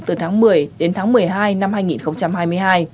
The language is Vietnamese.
từ tháng một mươi đến tháng một mươi hai năm hai nghìn hai mươi hai